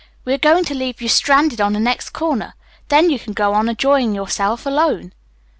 "We are going to leave you stranded on the next corner. Then you can go on enjoying yourself alone."